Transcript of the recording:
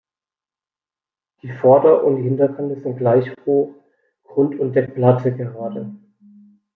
Die Vorder- und die Hinterkante sind gleich hoch, Grund- und Deckplatte gerade.